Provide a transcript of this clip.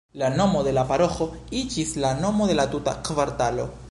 La nomo de la paroĥo iĝis la nomo de la tuta kvartalo.